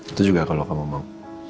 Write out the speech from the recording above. itu juga kalau kamu mau